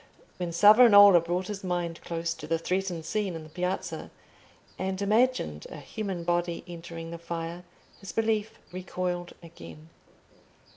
when Savonarola brought his mind close to the threatened scene in the Piazza, and imagined a human body entering the fire, his belief recoiled again.